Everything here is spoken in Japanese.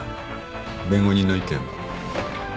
弁護人の意見は？